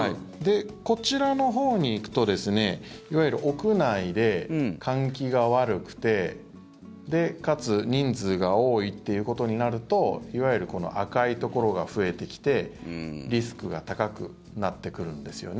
こちらのほうに行くといわゆる屋内で換気が悪くてかつ人数が多いということになるといわゆる赤いところが増えてきてリスクが高くなってくるんですよね。